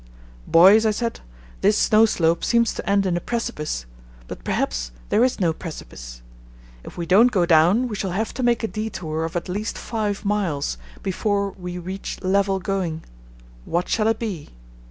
"Boys," I said, "this snow slope seems to end in a precipice, but perhaps there is no precipice. If we don't go down we shall have to make a detour of at least five miles before we reach level going. What shall it be?"